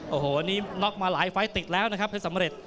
โอ้โหอันนี้น็อกมาหลายไฟล์ติดแล้วนะครับเพชรสำเร็จ